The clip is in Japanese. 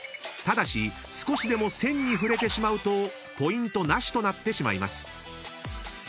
［ただし少しでも線に触れてしまうとポイントなしとなってしまいます］